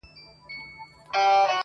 o مینه که وي جرم قاسم یار یې پرستش کوي,